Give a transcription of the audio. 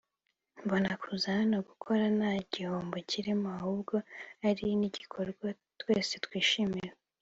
“Mbona kuza hano gukora nta gihombo kirimo ahubwo ari n’igikorwa twese twishimira